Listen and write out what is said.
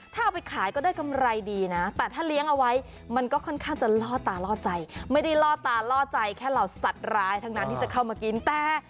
ถ้าเอาไปขายก็ได้กำไรดีนะแต่ถ้าเลี้ยงเอาไว้มันก็ค่อนข้างจะล่อตาล่อใจไม่ได้ล่อตาล่อใจแค่เหล่าสัตว์ร้ายทั้งนั้นที่จะเข้ามากินแต่